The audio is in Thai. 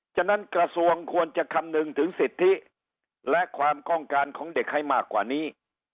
ฉะนั้นกระทรวงควรจะคำนึงถึงสิทธิและความต้องการของเด็กให้มากกว่านี้